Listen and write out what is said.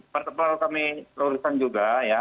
pertama kali kami kelulusan juga ya